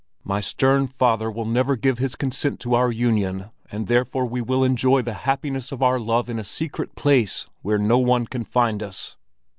My stern father will never give his consent to our union, and therefore we will enjoy the happiness of our love in a secret place where no one can find us.